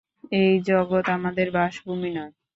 এই জগৎ আমাদের বাসভূমি নয়।